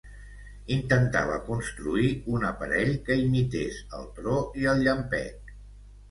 Intentava construir un aparell que imités el tro i el llampec.